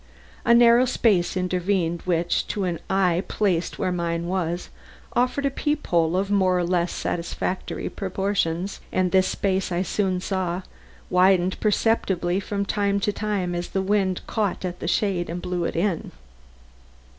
A narrow space intervened which, to an eye placed where mine was, offered a peep hole of more or less satisfactory proportions, and this space, I soon saw, widened perceptibly from time to time as the wind caught at the shade and blew it in.